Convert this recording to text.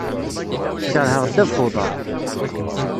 Keṛheɣ ddabex n uḍaṛ.